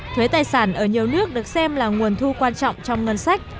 thuế tài sản ở nhiều nước được xem là nguồn thu quan trọng trong ngân sách